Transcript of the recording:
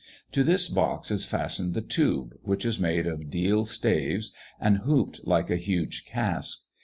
To this box is fastened the tube, which is made of deal staves, and hooped like a huge cask.